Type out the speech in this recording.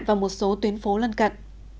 và một số tuyến phố lân cận